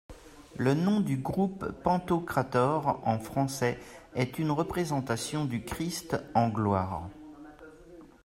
Le nom du groupe pantocrator en français est une représentation du Christ en gloire.